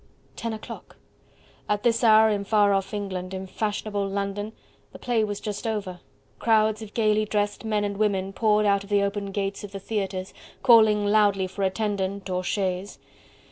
Ten o'clock! At this hour in far off England, in fashionable London, the play was just over, crowds of gaily dressed men and women poured out of the open gates of the theatres calling loudly for attendant or chaise.